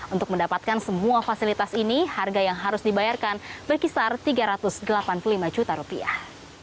untuk mendapatkan semua fasilitas ini harga yang harus dibayarkan berkisar tiga ratus delapan puluh lima juta rupiah